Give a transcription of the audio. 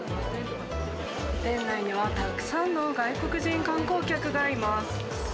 店内にはたくさんの外国人観光客がいます。